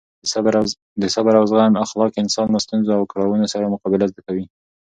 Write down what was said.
د صبر او زغم اخلاق انسان له ستونزو او کړاوونو سره مقابله زده کوي.